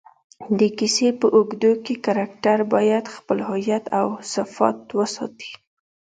د کیسې په اوږدو کښي کرکټرباید خپل هویت اوصفات وساتي.